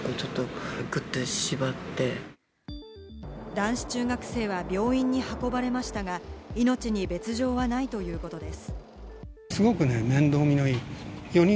男子中学生は病院に運ばれましたが、命に別条はないということです。